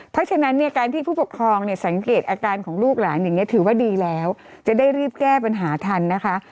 เพราะฉะนั้นเนี่ยการที่ผู้ปกครองเนี่ยสังเกตอาการของลูกหลานอย่างนี้ถือว่าดีแล้วจะได้รีบแก้ปัญหาทันนะคะ